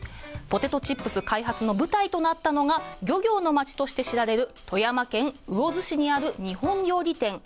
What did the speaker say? ポテトチップス開発の舞台となったのが漁業の町として知られる富山県魚津市にある日本料理店